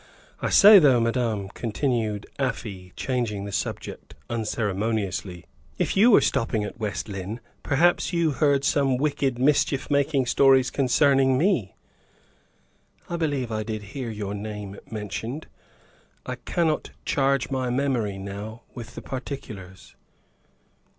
I say though, madame," continued Afy, changing the subject unceremoniously, "if you were stopping at West Lynne, perhaps you heard some wicked mischief making stories concerning me?" "I believe I did hear your name mentioned. I cannot charge my memory now with the particulars."